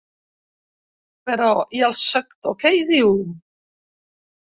Però, i el sector què hi diu?